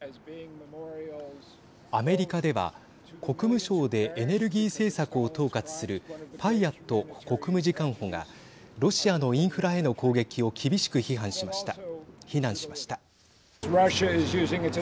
アメリカでは国務省でエネルギー政策を統括するパイアット国務次官補がロシアのインフラへの攻撃を厳しく非難しました。